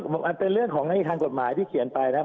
มันเป็นเรื่องของหน้าที่ทางกฎหมายที่เขียนไปนะครับ